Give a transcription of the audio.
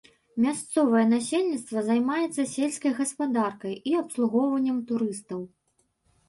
Мясцовае насельніцтва займаецца сельскай гаспадаркай і абслугоўваннем турыстаў.